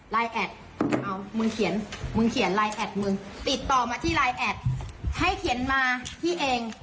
ไลน์แอดมึงเขียนไลน์แอดมึงติดต่อมาที่ไลน์แอดให้เขียนมาที่เอง